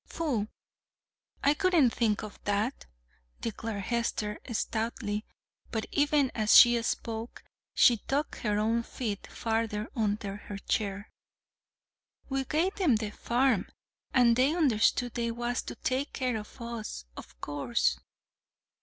"Pooh! I wouldn't think of that," declared Hester stoutly, but even as she spoke, she tucked her own feet farther under her chair. "We gave them the farm, and they understood they was to take care of us, of course."